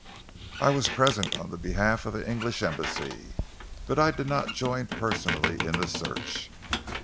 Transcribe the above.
I was present on behalf of the English Embassy, but I did not join personally in the search.